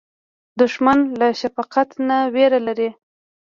دښمن له شفقت نه وېره لري